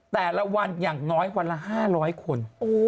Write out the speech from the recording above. แต่ละวันอย่างน้อยวันละ๕๐๐คน